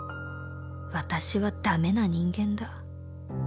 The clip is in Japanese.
「私は駄目な人間だ」